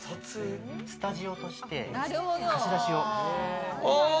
スタジオとして貸し出しを。